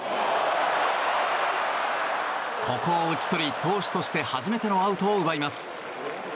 ここを打ち取り、投手として初めてのアウトを奪います。